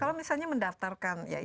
kalau misalnya mendaftarkan